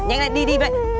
nhanh lên đi đi